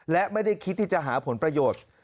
และไม่ได้คิดที่จะหาผลประโยชน์